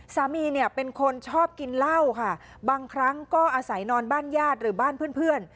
สามีเนี่ยเป็นคนชอบกินเหล้าค่ะบางครั้งก็อาศัยนอนบ้านญาติหรือบ้านเพื่อน